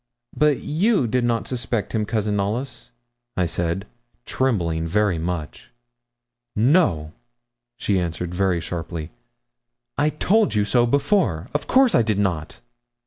'But you did not suspect him, Cousin Knollys?' I said, trembling very much. 'No,' she answered very sharply. 'I told you so before. Of course I did not.'